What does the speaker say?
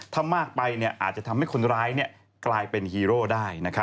ถ้ามากไปอาจจะทำให้คนร้ายกลายเป็นฮีโร่ได้